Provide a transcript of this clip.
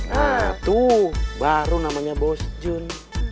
nah tuh baru namanya bosun